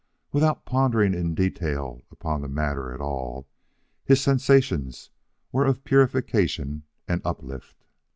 Without pondering in detail upon the matter at all, his sensations were of purification and uplift.